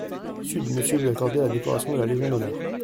sud Monsieur lui a accordé la décoration de la légion d'honneur.